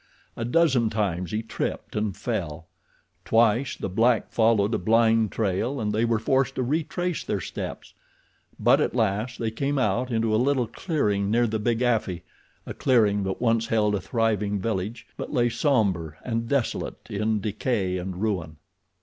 A dozen times he tripped and fell. Twice the black followed a blind trail and they were forced to retrace their steps; but at last they came out into a little clearing near the big afi—a clearing that once held a thriving village, but lay somber and desolate in decay and ruin.